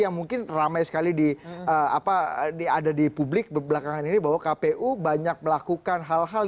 yang mungkin ramai sekali di ada di publik belakangan ini bahwa kpu banyak melakukan hal hal